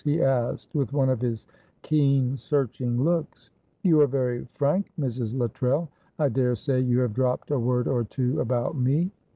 he asked, with one of his keen searching looks. "You are very frank, Mrs. Luttrell. I daresay you have dropped a word or two about me."